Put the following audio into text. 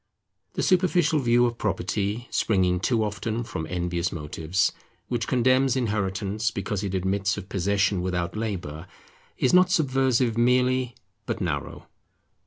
The superficial view of property, springing too often from envious motives, which condemns Inheritance because it admits of possession without labour, is not subversive merely, but narrow.